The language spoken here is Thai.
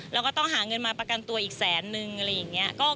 แล้วก็ต้องหาเงินมาประกันตัวอีกแสนนึงอะไรอย่างนี้